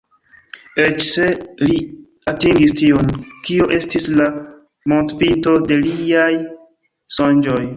Eĉ se li atingis tion, kio estis la montpinto de liaj sonĝoj."